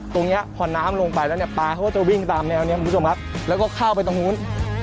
ตรงนี้พอน้ำลงไปแล้วเนี่ยปลาเขาก็จะวิ่งตามแนวนี้คุณผู้ชมครับแล้วก็เข้าไปตรงนู้น